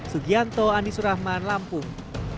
sugianto anisurahman lampung